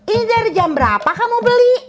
ini dari jam berapa kamu beli